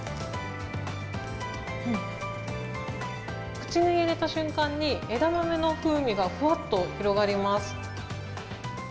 口に入れた瞬間に、枝豆の風味がふわっと広がります。